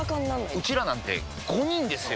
ウチらなんて５人ですよ！